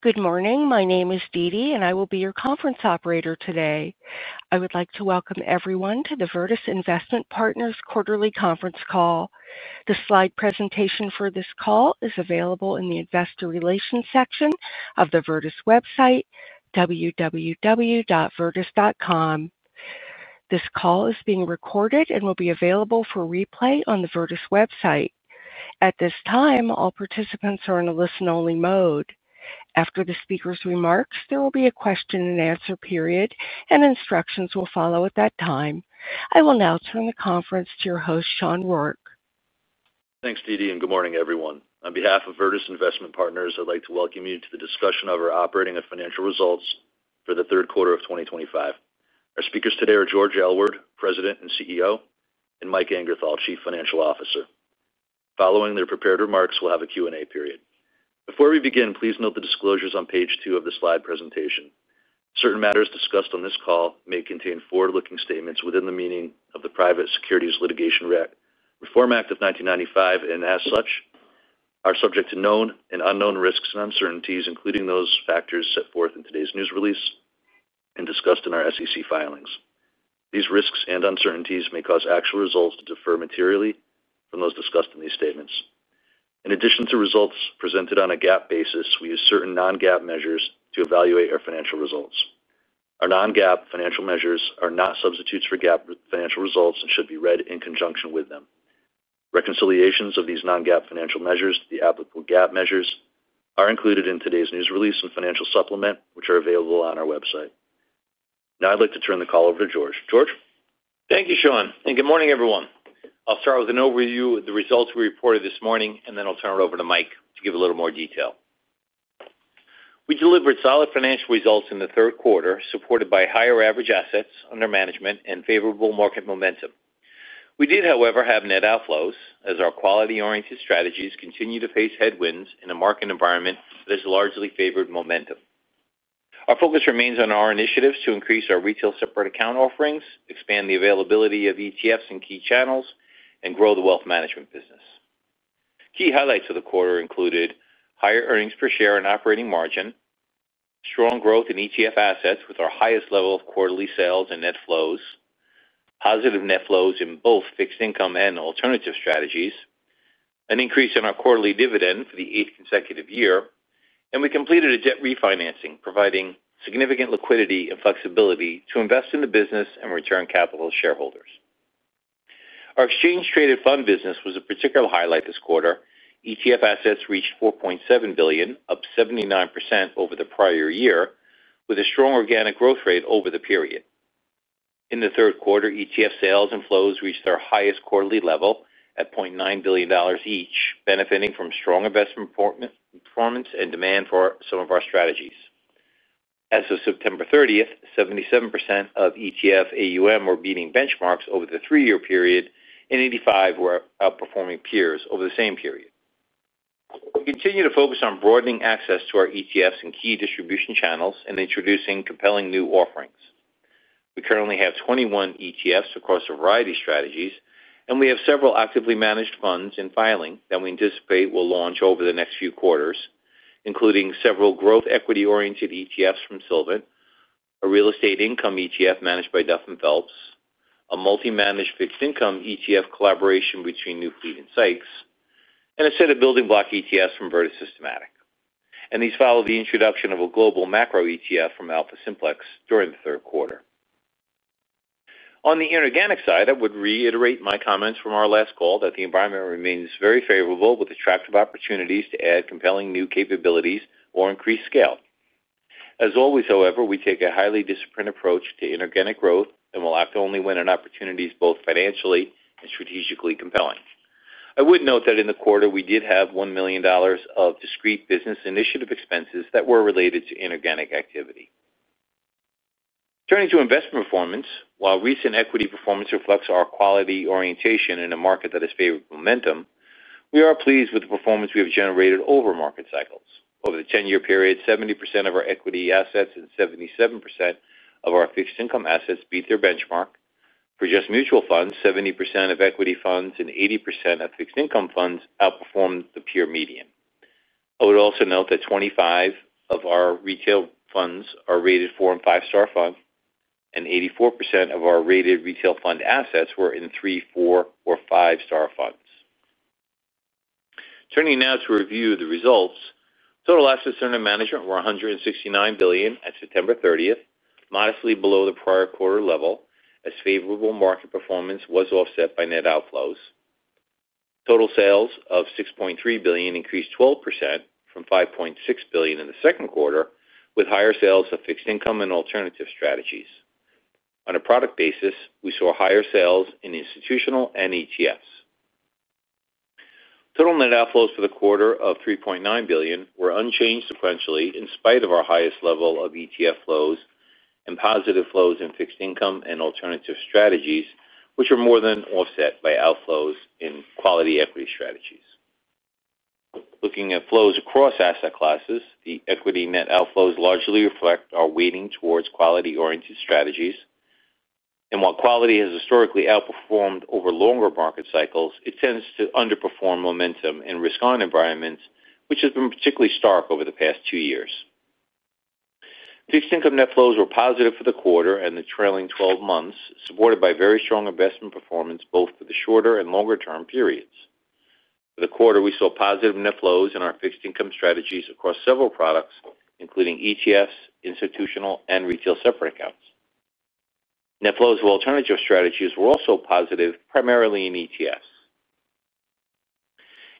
Good morning. My name is Deedee, and I will be your conference operator today. I would like to welcome everyone to the Virtus Investment Partners quarterly conference call. The slide presentation for this call is available in the investor relations section of the Virtus website, www.virtus.com. This call is being recorded and will be available for replay on the Virtus website. At this time, all participants are in a listen-only mode. After the speaker's remarks, there will be a question and answer period, and instructions will follow at that time. I will now turn the conference to your host, Sean Rourke. Thanks, Deedee, and good morning, everyone. On behalf of Virtus Investment Partners, I'd like to welcome you to the discussion of our operating and financial results for the third quarter of 2025. Our speakers today are George Aylward, President and CEO, and Mike Angerthal, Chief Financial Officer. Following their prepared remarks, we'll have a Q&A period. Before we begin, please note the disclosures on page two of the slide presentation. Certain matters discussed on this call may contain forward-looking statements within the meaning of the Private Securities Litigation Reform Act of 1995, and as such, are subject to known and unknown risks and uncertainties, including those factors set forth in today's news release and discussed in our SEC filings. These risks and uncertainties may cause actual results to differ materially from those discussed in these statements. In addition to results presented on a GAAP basis, we use certain non-GAAP measures to evaluate our financial results. Our non-GAAP financial measures are not substitutes for GAAP financial results and should be read in conjunction with them. Reconciliations of these non-GAAP financial measures to the applicable GAAP measures are included in today's news release and financial supplement, which are available on our website. Now I'd like to turn the call over to George. George. Thank you, Sean, and good morning, everyone. I'll start with an overview of the results we reported this morning, and then I'll turn it over to Mike to give a little more detail. We delivered solid financial results in the third quarter, supported by higher average assets under management and favorable market momentum. We did, however, have net outflows, as our quality-oriented strategies continue to face headwinds in a market environment that has largely favored momentum. Our focus remains on our initiatives to increase our retail separate account offerings, expand the availability of ETFs in key channels, and grow the wealth management business. Key highlights of the quarter included higher earnings per share and operating margin, strong growth in ETF assets with our highest level of quarterly sales and net flows, positive net flows in both fixed income and alternative strategies, an increase in our quarterly dividend for the eighth consecutive year, and we completed a debt refinancing, providing significant liquidity and flexibility to invest in the business and return capital to shareholders. Our exchange-traded fund business was a particular highlight this quarter. ETF assets reached $4.7 billion, up 79% over the prior year, with a strong organic growth rate over the period. In the third quarter, ETF sales and flows reached their highest quarterly level at $0.9 billion each, benefiting from strong investment performance and demand for some of our strategies. As of September 30th, 77% of ETF AUM were beating benchmarks over the three-year period, and 85% were outperforming peers over the same period. We continue to focus on broadening access to our ETFs in key distribution channels and introducing compelling new offerings. We currently have 21 ETFs across a variety of strategies, and we have several actively managed funds in filing that we anticipate will launch over the next few quarters, including several growth equity-oriented ETFs from Silvant, a real estate income ETF managed by Duff & Phelps, a multi-managed fixed income ETF collaboration between Newfleet and SGA, and a set of building block ETFs from Virtus Systematic. These follow the introduction of a global macro ETF from AlphaSimplex during the third quarter. On the inorganic side, I would reiterate my comments from our last call that the environment remains very favorable with attractive opportunities to add compelling new capabilities or increase scale. As always, however, we take a highly disciplined approach to inorganic growth and will act only when an opportunity is both financially and strategically compelling. I would note that in the quarter, we did have $1 million of discrete business initiative expenses that were related to inorganic activity. Turning to investment performance, while recent equity performance reflects our quality orientation in a market that has favored momentum, we are pleased with the performance we have generated over market cycles. Over the 10-year period, 70% of our equity assets and 77% of our fixed income assets beat their benchmark. For just mutual funds, 70% of equity funds and 80% of fixed income funds outperformed the peer median. I would also note that 25 of our retail funds are rated four and five-star funds, and 84% of our rated retail fund assets were in three, four, or five-star funds. Turning now to review the results, total assets under management were $169 billion at September 30th, modestly below the prior quarter level, as favorable market performance was offset by net outflows. Total sales of $6.3 billion increased 12% from $5.6 billion in the second quarter, with higher sales of fixed income and alternative strategies. On a product basis, we saw higher sales in institutional and ETFs. Total net outflows for the quarter of $3.9 billion were unchanged sequentially in spite of our highest level of ETF flows and positive flows in fixed income and alternative strategies, which are more than offset by outflows in quality equity strategies. Looking at flows across asset classes, the equity net outflows largely reflect our weighting towards quality-oriented strategies. While quality has historically outperformed over longer market cycles, it tends to underperform momentum in risk-on environments, which has been particularly stark over the past two years. Fixed income net flows were positive for the quarter and the trailing 12 months, supported by very strong investment performance both for the shorter and longer-term periods. For the quarter, we saw positive net flows in our fixed income strategies across several products, including ETFs, institutional, and retail separate accounts. Net flows of alternative strategies were also positive, primarily in ETFs.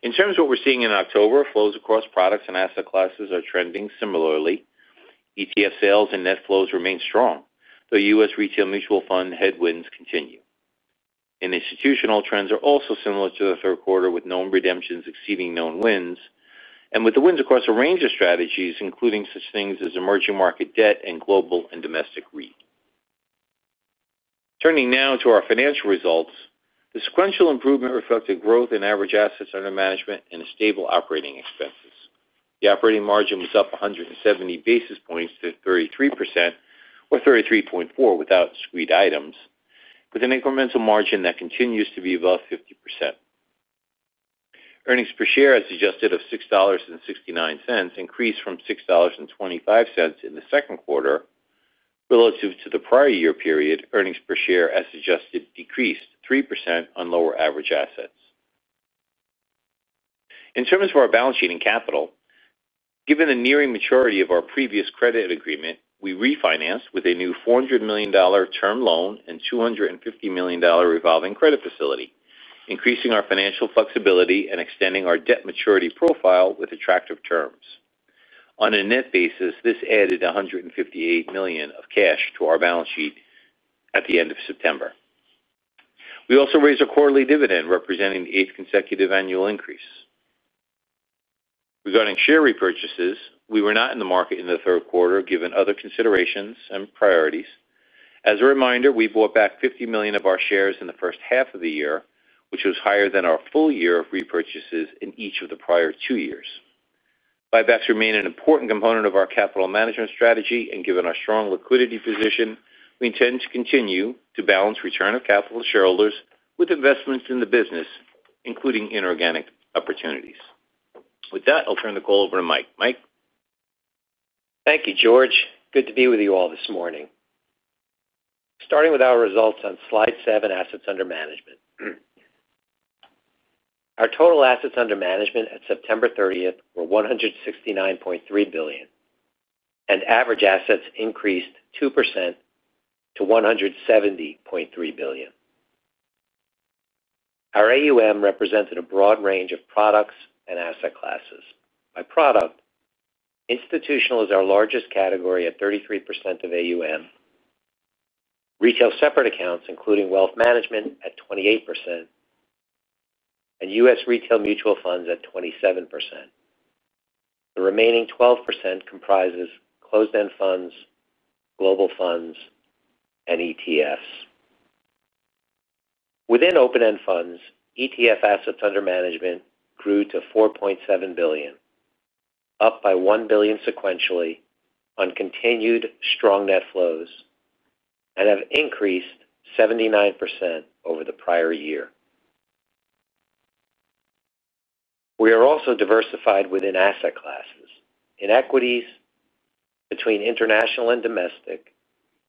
In terms of what we're seeing in October, flows across products and asset classes are trending similarly. ETF sales and net flows remain strong, though U.S. retail mutual fund headwinds continue. In institutional, trends are also similar to the third quarter, with known redemptions exceeding known wins, and with the wins across a range of strategies, including such things as emerging market debt and global and domestic REIT. Turning now to our financial results, the sequential improvement reflected growth in average assets under management and stable operating expenses. The operating margin was up 170 basis points to 33%, or 33.4% without squeezed items, with an incremental margin that continues to be above 50%. Earnings per share, as suggested, of $6.69 increased from $6.25 in the second quarter. Relative to the prior year period, earnings per share, as suggested, decreased 3% on lower average assets. In terms of our balance sheet and capital, given the nearing maturity of our previous credit agreement, we refinanced with a new $400 million term loan and $250 million revolving credit facility, increasing our financial flexibility and extending our debt maturity profile with attractive terms. On a net basis, this added $158 million of cash to our balance sheet at the end of September. We also raised our quarterly dividend, representing the eighth consecutive annual increase. Regarding share repurchases, we were not in the market in the third quarter given other considerations and priorities. As a reminder, we bought back $50 million of our shares in the first half of the year, which was higher than our full year of repurchases in each of the prior two years. Buybacks remain an important component of our capital management strategy, and given our strong liquidity position, we intend to continue to balance return of capital shareholders with investments in the business, including inorganic opportunities. With that, I'll turn the call over to Mike. Mike. Thank you, George. Good to be with you all this morning. Starting with our results on slide seven, assets under management. Our total assets under management at September 30 were $169.3 billion, and average assets increased 2% to $170.3 billion. Our AUM represented a broad range of products and asset classes. By product, institutional is our largest category at 33% of AUM, retail separate accounts, including wealth management, at 28%, and U.S. retail mutual funds at 27%. The remaining 12% comprises closed-end funds, global funds, and ETFs. Within open-end funds, ETF assets under management grew to $4.7 billion, up by $1 billion sequentially on continued strong net flows, and have increased 79% over the prior year. We are also diversified within asset classes. In equities, between international and domestic,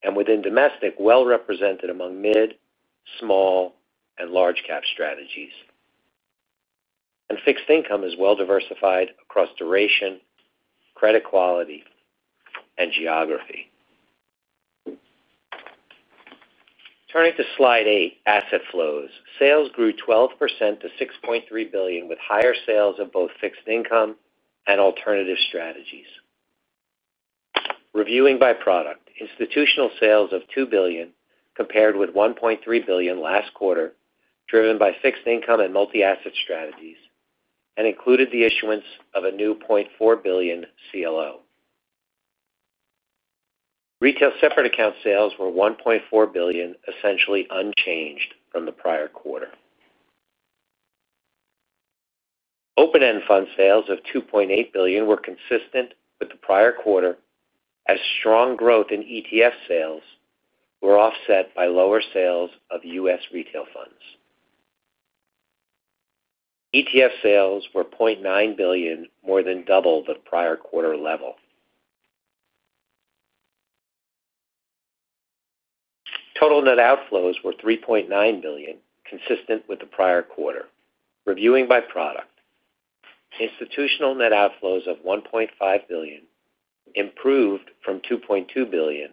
and within domestic, well represented among mid, small, and large-cap strategies. Fixed income is well diversified across duration, credit quality, and geography. Turning to Slide 8, asset flows. Sales grew 12% to $6.3 billion, with higher sales of both fixed income and alternative strategies. Reviewing by product, institutional sales of $2 billion compared with $1.3 billion last quarter, driven by fixed income and multi-asset strategies, and included the issuance of a new $0.4 billion CLO. Retail separate account sales were $1.4 billion, essentially unchanged from the prior quarter. Open-end fund sales of $2.8 billion were consistent with the prior quarter, as strong growth in ETF sales were offset by lower sales of U.S. retail funds. ETF sales were $0.9 billion, more than double the prior quarter level. Total net outflows were $3.9 billion, consistent with the prior quarter. Reviewing by product, institutional net outflows of $1.5 billion improved from $2.2 billion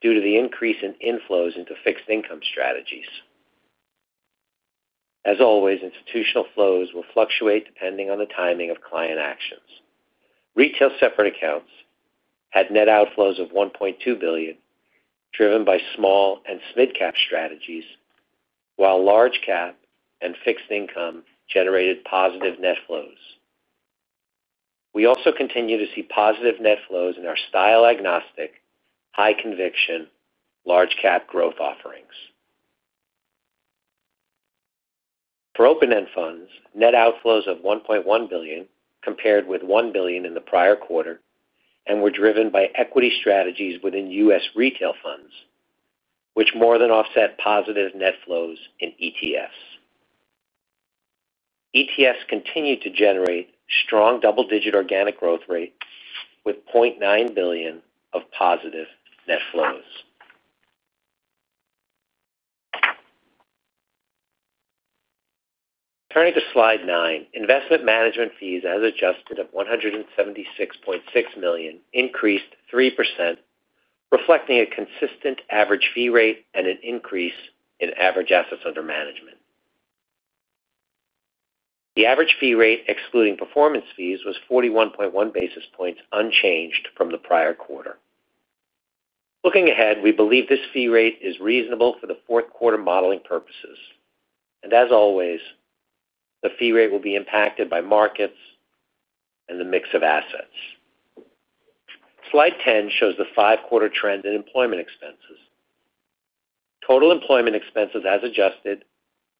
due to the increase in inflows into fixed income strategies. As always, institutional flows will fluctuate depending on the timing of client actions. Retail separate accounts had net outflows of $1.2 billion, driven by small and mid-cap strategies, while large-cap and fixed income generated positive net flows. We also continue to see positive net flows in our style-agnostic, high-conviction, large-cap growth offerings. For open-end funds, net outflows of $1.1 billion compared with $1 billion in the prior quarter were driven by equity strategies within U.S. retail funds, which more than offset positive net flows in ETFs. ETFs continue to generate strong double-digit organic growth rates with $0.9 billion of positive net flows. Turning to Slide 9, investment management fees as adjusted of $176.6 million increased 3%, reflecting a consistent average fee rate and an increase in average assets under management. The average fee rate, excluding performance fees, was 41.1 basis points, unchanged from the prior quarter. Looking ahead, we believe this fee rate is reasonable for the fourth quarter modeling purposes. As always, the fee rate will be impacted by markets and the mix of assets. Slide 10 shows the five-quarter trend in employment expenses. Total employment expenses as adjusted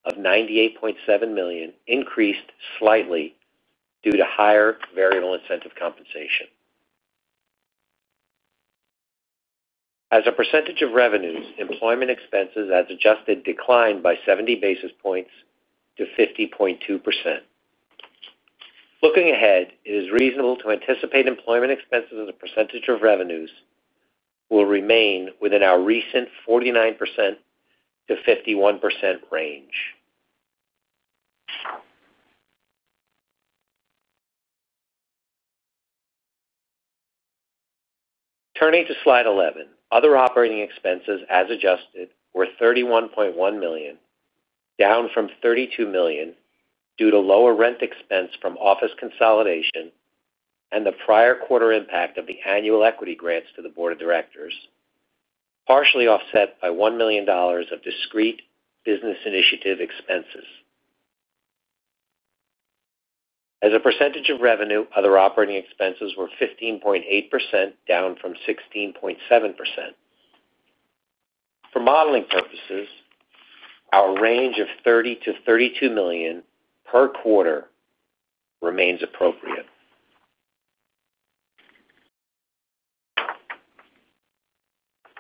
of $98.7 million increased slightly due to higher variable incentive compensation. As a percentage of revenues, employment expenses as adjusted declined by 70 basis points to 50.2%. Looking ahead, it is reasonable to anticipate employment expenses as a percentage of revenues will remain within our recent 49%-51% range. Turning to Slide 11, other operating expenses as adjusted were $31.1 million, down from $32 million due to lower rent expense from office consolidation and the prior quarter impact of the annual equity grants to the board of directors, partially offset by $1 million of discrete business initiative expenses. As a percentage of revenue, other operating expenses were 15.8%, down from 16.7%. For modeling purposes, our range of $30 million-$32 million per quarter remains appropriate.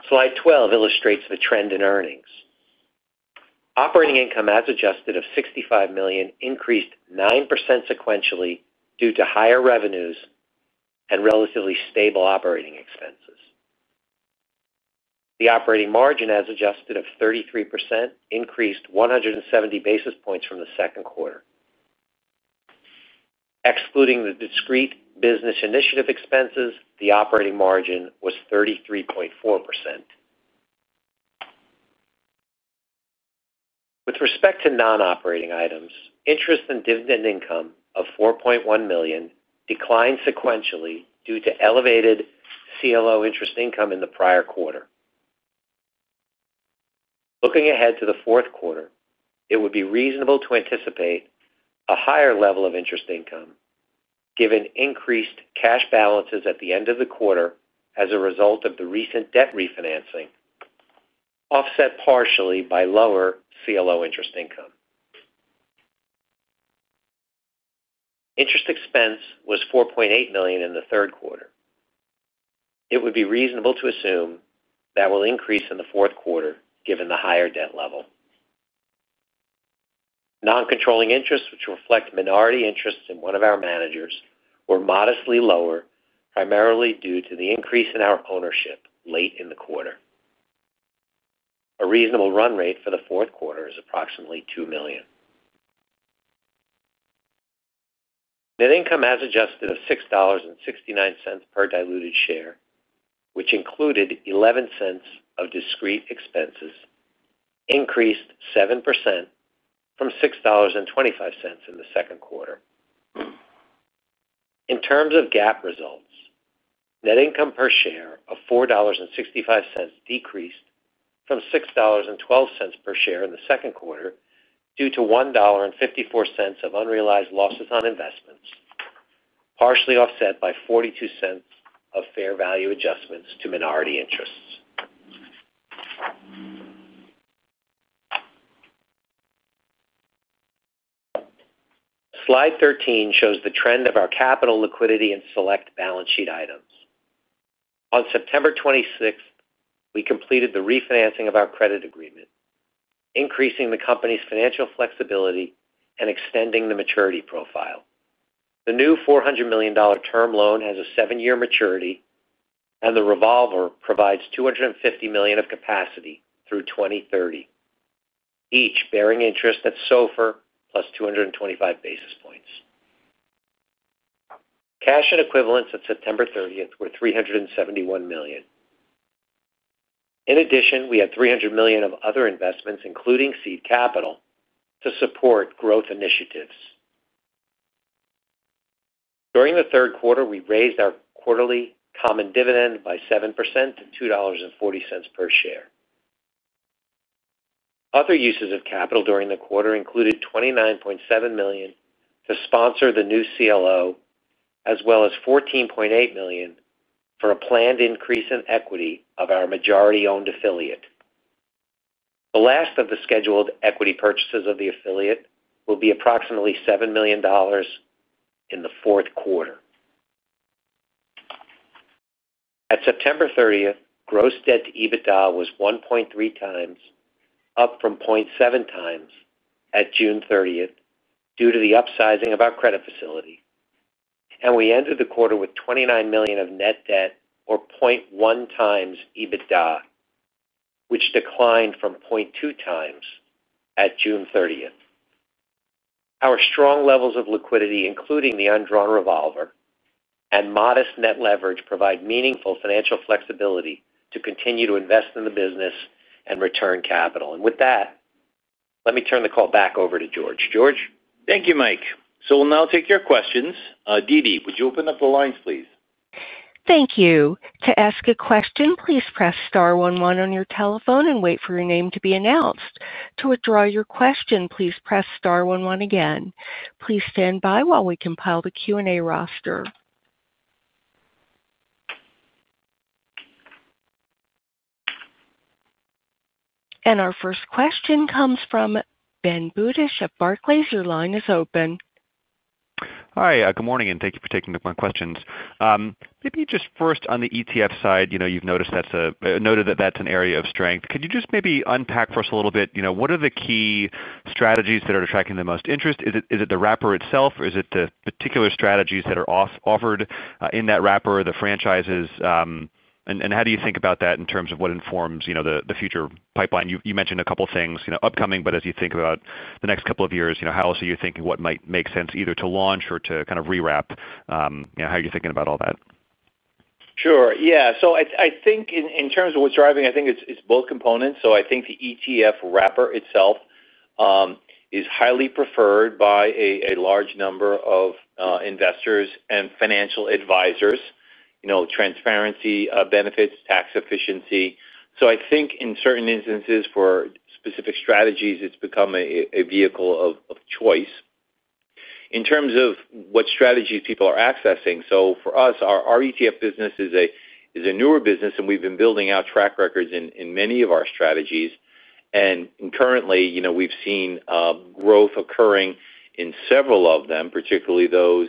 Slide 12 illustrates the trend in earnings. Operating income as adjusted of $65 million increased 9% sequentially due to higher revenues and relatively stable operating expenses. The operating margin as adjusted of 33% increased 170 basis points from the second quarter. Excluding the discrete business initiative expenses, the operating margin was 33.4%. With respect to non-operating items, interest and dividend income of $4.1 million declined sequentially due to elevated CLO interest income in the prior quarter. Looking ahead to the fourth quarter, it would be reasonable to anticipate a higher level of interest income given increased cash balances at the end of the quarter as a result of the recent debt refinancing, offset partially by lower CLO interest income. Interest expense was $4.8 million in the third quarter. It would be reasonable to assume that will increase in the fourth quarter given the higher debt level. Non-controlling interests, which reflect minority interests in one of our managers, were modestly lower, primarily due to the increase in our ownership late in the quarter. A reasonable run rate for the fourth quarter is approximately $2 million. Net income as adjusted of $6.69 per diluted share, which included $0.11 of discrete expenses, increased 7% from $6.25 in the second quarter. In terms of GAAP results, net income per share of $4.65 decreased from $6.12 per share in the second quarter due to $1.54 of unrealized losses on investments, partially offset by $0.42 of fair value adjustments to minority interests. Slide 13 shows the trend of our capital liquidity and select balance sheet items. On September 26, we completed the refinancing of our credit agreement, increasing the company's financial flexibility and extending the maturity profile. The new $400 million term loan has a seven-year maturity, and the revolver provides $250 million of capacity through 2030, each bearing interest at SOFR +225 basis points. Cash and equivalents at September 30 were $371 million. In addition, we had $300 million of other investments, including seed capital, to support growth initiatives. During the third quarter, we raised our quarterly common dividend by 7% to $2.40 per share. Other uses of capital during the quarter included $29.7 million to sponsor the new CLO, as well as $14.8 million for a planned increase in equity of our majority-owned affiliate. The last of the scheduled equity purchases of the affiliate will be approximately $7 million in the fourth quarter. At September 30th, gross debt to EBITDA was 1.3x, up from 0.7x at June 30th due to the upsizing of our credit facility, and we ended the quarter with $29 million of net debt, or 0.1x EBITDA, which declined from 0.2x at June 30th. Our strong levels of liquidity, including the undrawn revolver and modest net leverage, provide meaningful financial flexibility to continue to invest in the business and return capital. With that, let me turn the call back over to George. George. Thank you, Mike. We will now take your questions. Deedee, would you open up the lines, please? Thank you. To ask a question, please press star one one on your telephone and wait for your name to be announced. To withdraw your question, please press star one one again. Please stand by while we compile the Q&A roster. Our first question comes from Ben Budish of Barclays. Your line is open. Hi. Good morning, and thank you for taking my questions. Maybe just first on the ETF side, you've noted that that's an area of strength. Could you just maybe unpack for us a little bit, you know, what are the key strategies that are attracting the most interest? Is it the wrapper itself, or is it the particular strategies that are offered in that wrapper or the franchises? How do you think about that in terms of what informs the future pipeline? You mentioned a couple of things upcoming. As you think about the next couple of years, how else are you thinking what might make sense either to launch or to kind of rewrap? How are you thinking about all that? Sure. Yeah. I think in terms of what's driving, I think it's both components. I think the ETF wrapper itself is highly preferred by a large number of investors and financial advisors, you know, transparency, benefits, tax efficiency. I think in certain instances for specific strategies, it's become a vehicle of choice. In terms of what strategies people are accessing, for us, our ETF business is a newer business, and we've been building out track records in many of our strategies. Currently, we've seen growth occurring in several of them, particularly those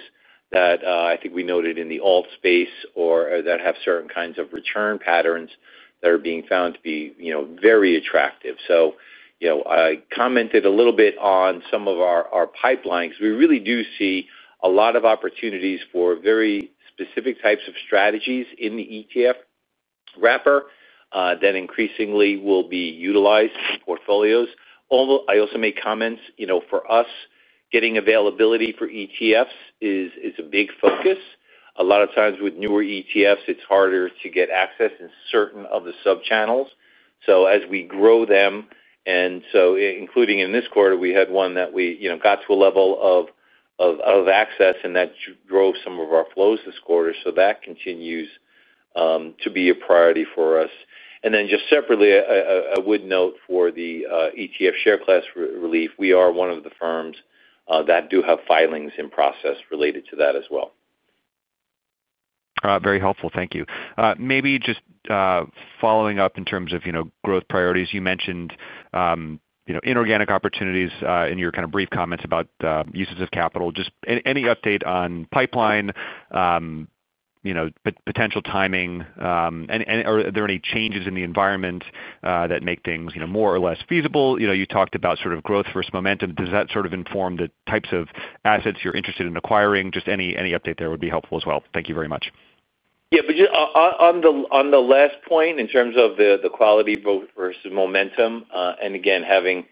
that I think we noted in the alt space or that have certain kinds of return patterns that are being found to be very attractive. I commented a little bit on some of our pipelines because we really do see a lot of opportunities for very specific types of strategies in the ETF wrapper that increasingly will be utilized in portfolios. I also made comments, for us, getting availability for ETFs is a big focus. A lot of times with newer ETFs, it's harder to get access in certain of the sub-channels. As we grow them, including in this quarter, we had one that we got to a level of access, and that drove some of our flows this quarter. That continues to be a priority for us. Just separately, I would note for the ETF share class relief, we are one of the firms that do have filings in process related to that as well. Very helpful. Thank you. Maybe just following up in terms of growth priorities, you mentioned inorganic opportunities in your brief comments about uses of capital. Just any update on pipeline, potential timing, and are there any changes in the environment that make things more or less feasible? You talked about sort of growth versus momentum. Does that sort of inform the types of assets you're interested in acquiring? Just any update there would be helpful as well. Thank you very much. Yeah. Just on the last point in terms of the quality versus momentum, and again, having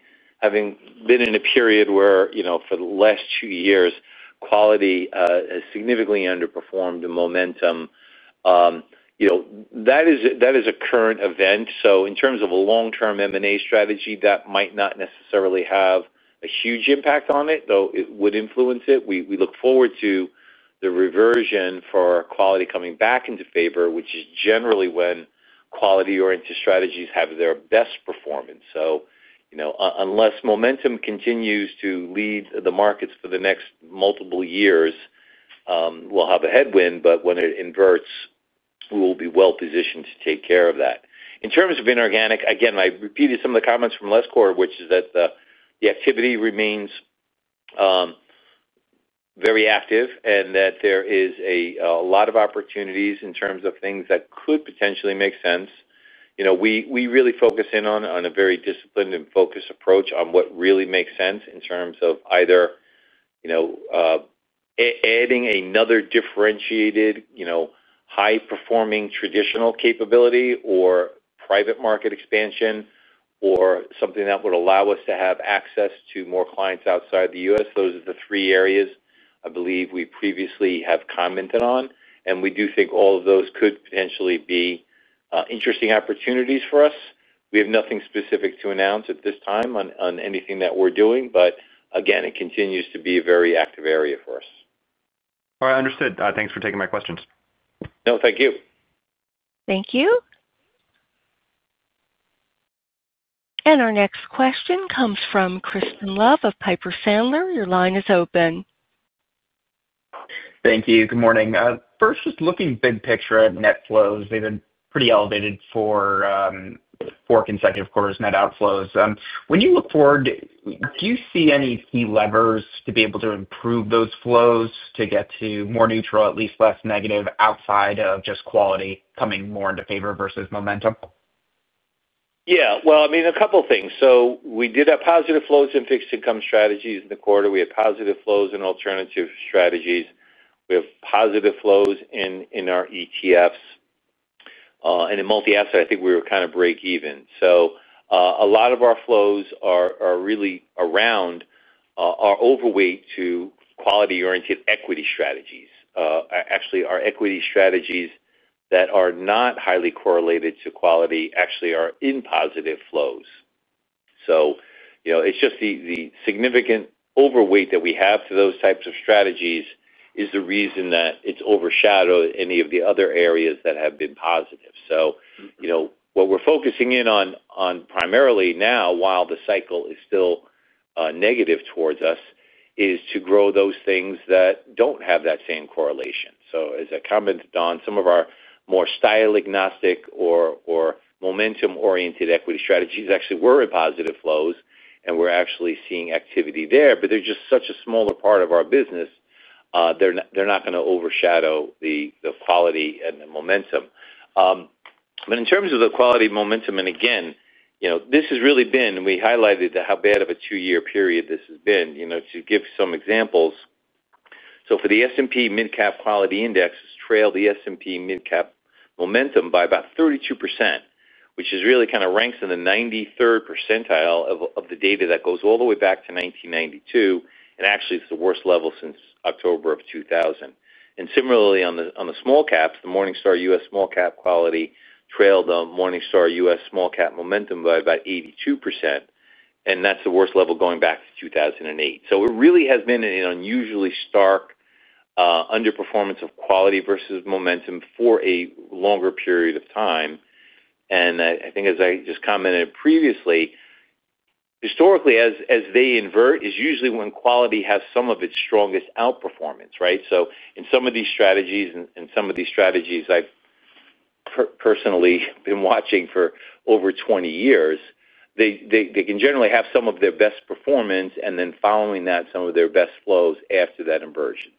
been in a period where, you know, for the last two years, quality has significantly underperformed the momentum, you know, that is a current event. In terms of a long-term M&A strategy, that might not necessarily have a huge impact on it, though it would influence it. We look forward to the reversion for quality coming back into favor, which is generally when quality-oriented strategies have their best performance. Unless momentum continues to lead the markets for the next multiple years, we'll have a headwind. When it inverts, we will be well positioned to take care of that. In terms of inorganic, I repeated some of the comments from last quarter, which is that the activity remains very active and that there are a lot of opportunities in terms of things that could potentially make sense. We really focus in on a very disciplined and focused approach on what really makes sense in terms of either adding another differentiated, high-performing traditional capability or private market expansion or something that would allow us to have access to more clients outside the U.S. Those are the three areas I believe we previously have commented on, and we do think all of those could potentially be interesting opportunities for us. We have nothing specific to announce at this time on anything that we're doing. It continues to be a very active area for us. All right. Understood. Thanks for taking my questions. No, thank you. Thank you. Our next question comes from Crispin Love of Piper Sandler. Your line is open. Thank you. Good morning. First, just looking big picture at net flows, they've been pretty elevated for four consecutive quarters of net outflows. When you look forward, do you see any key levers to be able to improve those flows to get to more neutral, at least less negative, outside of just quality coming more into favor versus momentum? Yeah. I mean, a couple of things. We did have positive flows in fixed income strategies in the quarter. We had positive flows in alternative strategies. We have positive flows in our ETFs. In multi-asset, I think we were kind of break even. A lot of our flows are really around, are overweight to quality-oriented equity strategies. Actually, our equity strategies that are not highly correlated to quality actually are in positive flows. It's just the significant overweight that we have to those types of strategies is the reason that it's overshadowed any of the other areas that have been positive. What we're focusing in on primarily now, while the cycle is still negative towards us, is to grow those things that don't have that same correlation. As I commented on, some of our more style-agnostic or momentum-oriented equity strategies actually were in positive flows, and we're actually seeing activity there. They're just such a smaller part of our business. They're not going to overshadow the quality and the momentum. In terms of the quality momentum, and again, this has really been, we highlighted how bad of a two-year period this has been, to give some examples. For the S&P mid-cap quality index, it's trailed the S&P mid-cap momentum by about 32%, which really kind of ranks in the 93rd percentile of the data that goes all the way back to 1992, and actually is the worst level since October of 2000. Similarly, on the small caps, the Morningstar U.S. small cap quality trailed the Morningstar U.S. small cap momentum by about 82%, and that's the worst level going back to 2008. It really has been an unusually stark underperformance of quality versus momentum for a longer period of time. I think, as I just commented previously, historically, as they invert, is usually when quality has some of its strongest outperformance, right? In some of these strategies, and some of these strategies I've personally been watching for over 20 years, they can generally have some of their best performance and then following that, some of their best flows after that inversion.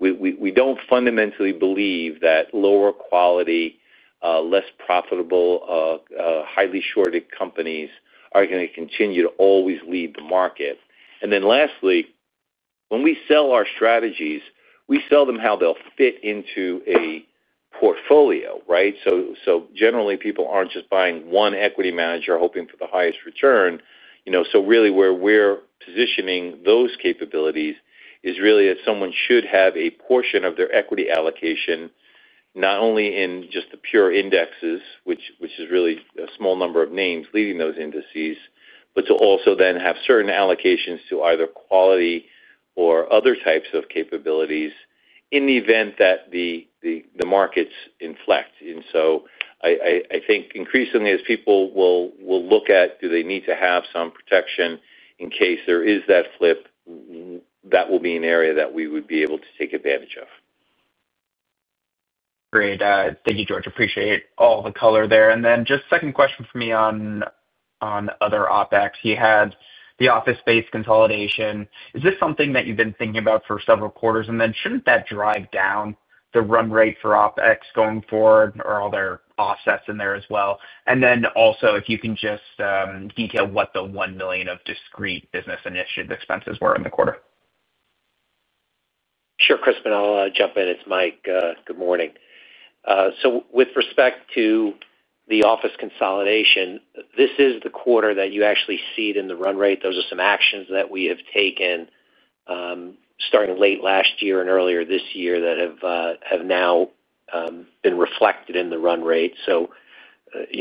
We don't fundamentally believe that lower quality, less profitable, highly shorted companies are going to continue to always lead the market. Lastly, when we sell our strategies, we sell them how they'll fit into a portfolio, right? Generally, people aren't just buying one equity manager hoping for the highest return. Where we're positioning those capabilities is that someone should have a portion of their equity allocation not only in just the pure indexes, which is really a small number of names leading those indices, but to also have certain allocations to either quality or other types of capabilities in the event that the markets inflect. I think increasingly, as people will look at do they need to have some protection in case there is that flip, that will be an area that we would be able to take advantage of. Great. Thank you, George. Appreciate all the color there. Just a second question for me on other OpEx. You had the office space consolidation. Is this something that you've been thinking about for several quarters? Shouldn't that drive down the run rate for OpEx going forward, or are there offsets in there as well? Also, if you can just detail what the $1 million of discrete business initiative expenses were in the quarter. Sure, Kristen, I'll jump in. It's Mike. Good morning. With respect to the office consolidation, this is the quarter that you actually see it in the run rate. Those are some actions that we have taken starting late last year and earlier this year that have now been reflected in the run rate.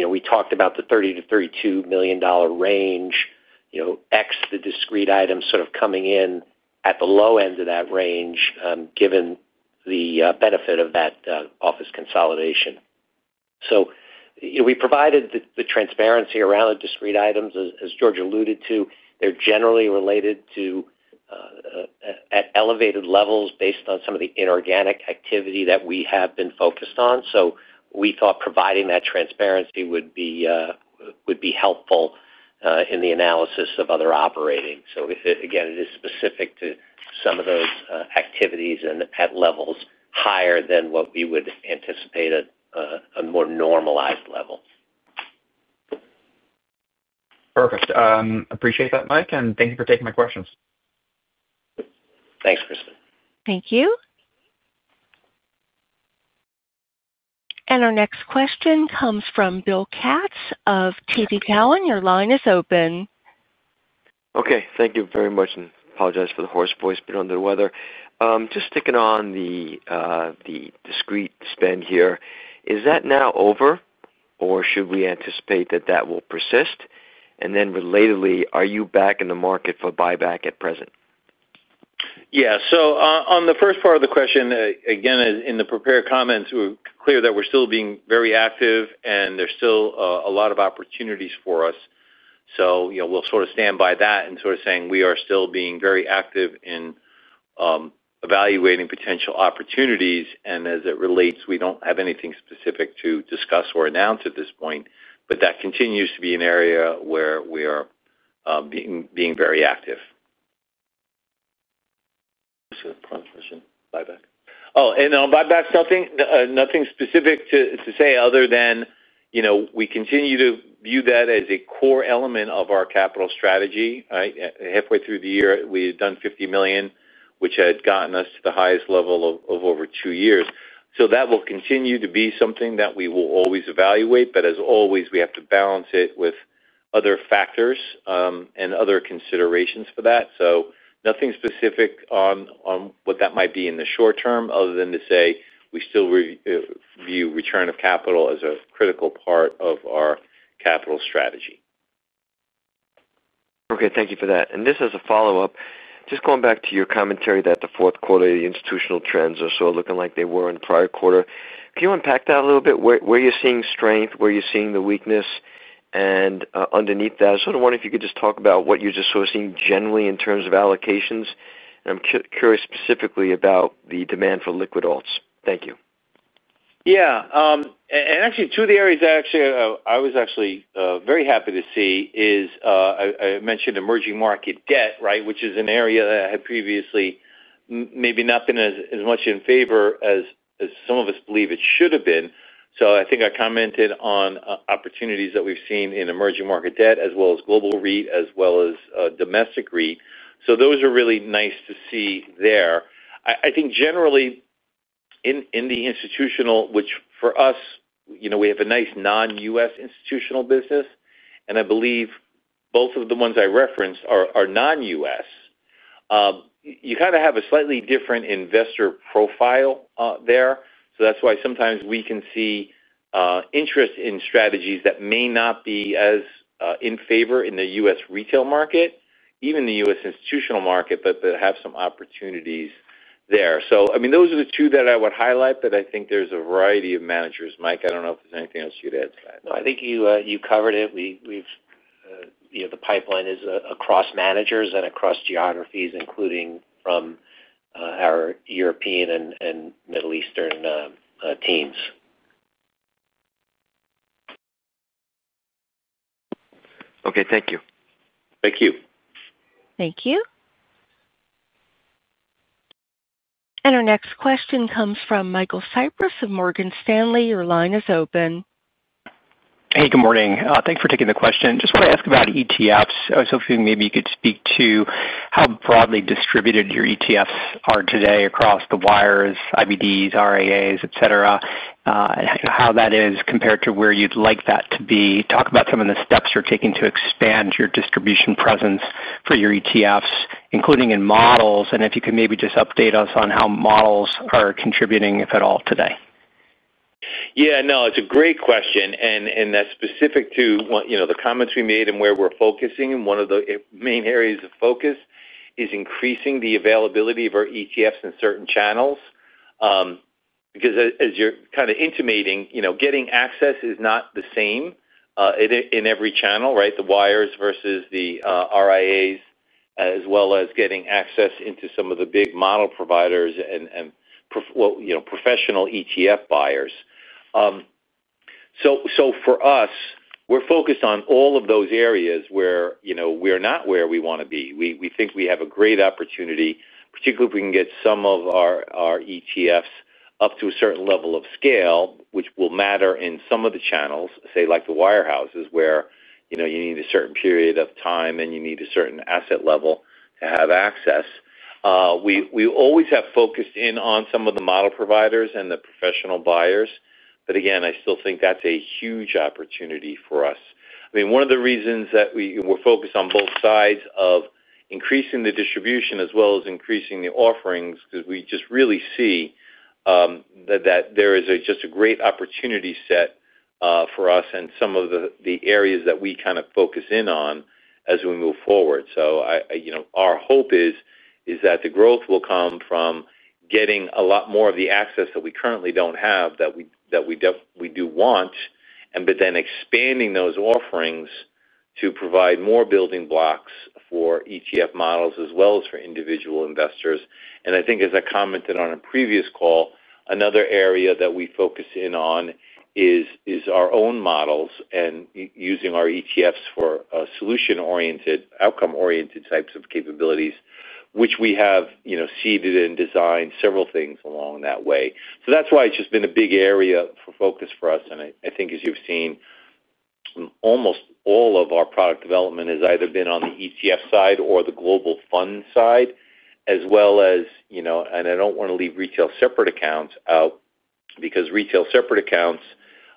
We talked about the $30 million-$32 million range, ex the discrete items, sort of coming in at the low end of that range, given the benefit of that office consolidation. We provided the transparency around the discrete items. As George alluded to, they're generally related to at elevated levels based on some of the inorganic activity that we have been focused on. We thought providing that transparency would be helpful in the analysis of other operating. It is specific to some of those activities and at levels higher than what we would anticipate at a more normalized level. Perfect. Appreciate that, Mike. Thank you for taking my questions. Thanks, Crispin. Thank you. Our next question comes from Bill Katz of TD Cowen. Your line is open. Okay. Thank you very much. I apologize for the hoarse voice, being under the weather. Just sticking on the discrete spend here, is that now over, or should we anticipate that that will persist? Relatedly, are you back in the market for buyback at present? Yeah. On the first part of the question, in the prepared comments, we're clear that we're still being very active, and there's still a lot of opportunities for us. We'll stand by that and say we are still being very active in evaluating potential opportunities. As it relates, we don't have anything specific to discuss or announce at this point. That continues to be an area where we are being very active. I'm sorry. I promised I shouldn't buy back. I'll buy back something. Nothing specific to say other than, you know, we continue to view that as a core element of our capital strategy, right? Halfway through the year, we had done $50 million, which had gotten us to the highest level of over two years. That will continue to be something that we will always evaluate. As always, we have to balance it with other factors and other considerations for that. Nothing specific on what that might be in the short term other than to say we still view return of capital as a critical part of our capital strategy. Okay. Thank you for that. Just as a follow-up, going back to your commentary that the fourth quarter of the institutional trends are sort of looking like they were in the prior quarter, can you unpack that a little bit? Where are you seeing strength? Where are you seeing the weakness? Underneath that, I sort of wonder if you could just talk about what you're just sort of seeing generally in terms of allocations. I'm curious specifically about the demand for liquid alts. Thank you. Yeah. Actually, two of the areas I was very happy to see, as I mentioned, are emerging market debt, which is an area that had previously maybe not been as much in favor as some of us believe it should have been. I commented on opportunities that we've seen in emerging market debt, as well as global REIT, as well as domestic REIT. Those are really nice to see there. I think generally in the institutional, which for us, you know, we have a nice non-U.S. institutional business, and I believe both of the ones I referenced are non-U.S. You kind of have a slightly different investor profile there. That's why sometimes we can see interest in strategies that may not be as in favor in the U.S. retail market, even the U.S. institutional market, but that have some opportunities there. Those are the two that I would highlight, but I think there's a variety of managers, Mike. I don't know if there's anything else you'd add to that. No, I think you covered it. The pipeline is across managers and across geographies, including from our European and Middle Eastern teams. Okay, thank you. Thank you. Thank you. Our next question comes from Michael Cyprys of Morgan Stanley. Your line is open. Hey, good morning. Thanks for taking the question. Just want to ask about ETFs. I was hoping maybe you could speak to how broadly distributed your ETFs are today across the wirehouses, IBDs, RIAs, etc., and how that is compared to where you'd like that to be. Talk about some of the steps you're taking to expand your distribution presence for your ETFs, including in models, and if you could maybe just update us on how models are contributing, if at all, today. Yeah. No, it's a great question. That's specific to the comments we made and where we're focusing. One of the main areas of focus is increasing the availability of our ETFs in certain channels. As you're kind of intimating, getting access is not the same in every channel, right? The wirehouses versus the registered investment advisors, as well as getting access into some of the big model providers and professional ETF buyers. For us, we're focused on all of those areas where we're not where we want to be. We think we have a great opportunity, particularly if we can get some of our ETFs up to a certain level of scale, which will matter in some of the channels, like the wirehouses, where you need a certain period of time and you need a certain asset level to have access. We always have focused in on some of the model providers and the professional buyers. I still think that's a huge opportunity for us. One of the reasons that we're focused on both sides of increasing the distribution as well as increasing the offerings is because we just really see that there is a great opportunity set for us and some of the areas that we focus in on as we move forward. Our hope is that the growth will come from getting a lot more of the access that we currently don't have that we do want, but then expanding those offerings to provide more building blocks for ETF models as well as for individual investors. I think, as I commented on a previous call, another area that we focus in on is our own models and using our ETFs for solution-oriented, outcome-oriented types of capabilities, which we have seeded and designed several things along that way. That's why it's just been a big area for focus for us. I think, as you've seen, almost all of our product development has either been on the ETF side or the global fund side, as well as, and I don't want to leave retail separate accounts out because retail separate accounts,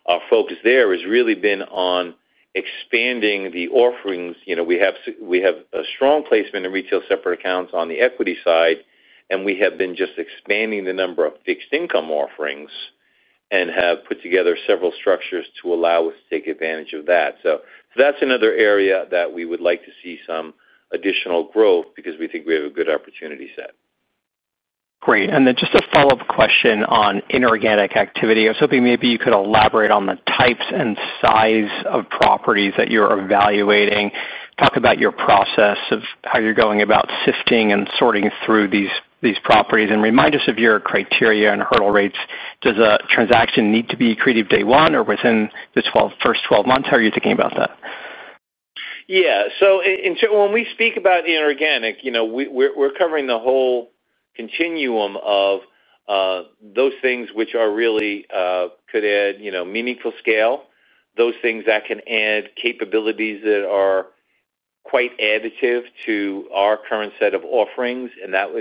our focus there has really been on expanding the offerings. We have a strong placement in retail separate accounts on the equity side, and we have been expanding the number of fixed income offerings and have put together several structures to allow us to take advantage of that. That's another area that we would like to see some additional growth because we think we have a good opportunity set. Great. Just a follow-up question on inorganic activity. I was hoping maybe you could elaborate on the types and size of properties that you're evaluating. Talk about your process of how you're going about sifting and sorting through these properties, and remind us of your criteria and hurdle rates. Does a transaction need to be created day one or within the first 12 months? How are you thinking about that? Yeah. When we speak about inorganic, we're covering the whole continuum of those things which really could add meaningful scale, those things that can add capabilities that are quite additive to our current set of offerings. That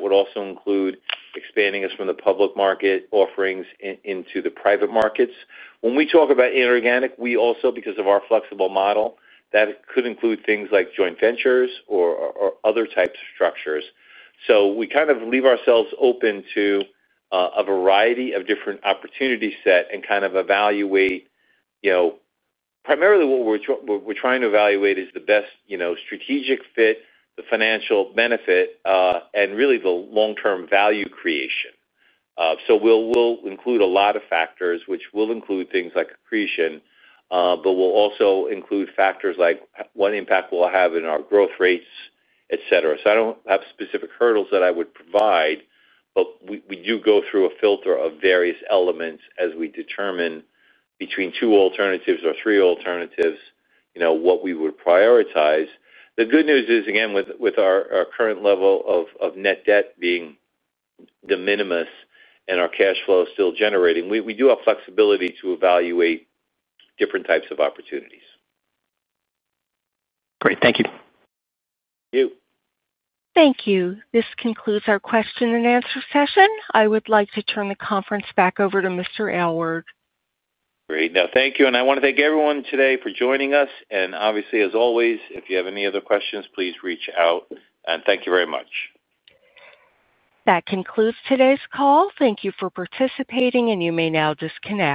would also include expanding us from the public market offerings into the private markets. When we talk about inorganic, we also, because of our flexible model, that could include things like joint ventures or other types of structures. We leave ourselves open to a variety of different opportunities set and evaluate, primarily what we're trying to evaluate is the best strategic fit, the financial benefit, and really the long-term value creation. We'll include a lot of factors, which will include things like accretion, but we'll also include factors like what impact we'll have in our growth rates, etc. I don't have specific hurdles that I would provide, but we do go through a filter of various elements as we determine between two alternatives or three alternatives, what we would prioritize. The good news is, with our current level of net debt being de minimis and our cash flow still generating, we do have flexibility to evaluate different types of opportunities. Great. Thank you. Thank you. Thank you. This concludes our question and answer session. I would like to turn the conference back over to Mr. Aylward. Great. No, thank you. I want to thank everyone today for joining us. Obviously, as always, if you have any other questions, please reach out. Thank you very much. That concludes today's call. Thank you for participating, and you may now disconnect.